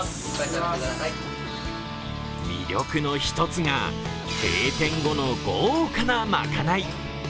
魅力の１つが、閉店後の豪華なまかない。